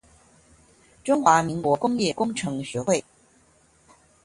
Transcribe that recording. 中華民國工業工程學會